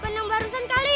bukan yang barusan kali